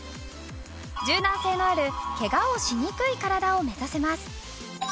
柔軟性のあるケガをしにくい体を目指せます。